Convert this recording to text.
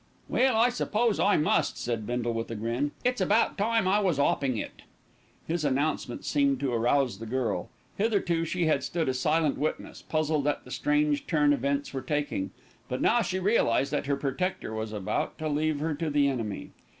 "Well, I suppose I must," said Bindle, with a grin. "It's about time I was 'opping it." His announcement seemed to arouse the girl. Hitherto she had stood a silent witness, puzzled at the strange turn events were taking; but now she realised that her protector was about to leave her to the enemy.